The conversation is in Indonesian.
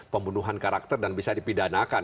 pembunuhan karakter dan bisa dipidanakan